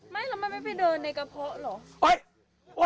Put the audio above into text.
ไม่เราไม่ไปเดินในกระเพาะหรอก